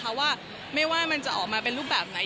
เพราะว่าไม่ว่ามันจะออกมาเป็นรูปแบบไหน